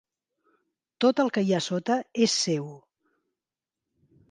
Tot el que hi ha sota és seu.